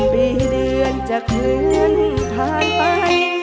ปีเดือนจะเคลื่อนผ่านไป